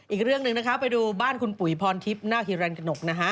อีกเรื่องหนึ่งนะคะไปดูบ้านคุณปุ๋ยพรทิพย์นาคฮิรันกระหนกนะฮะ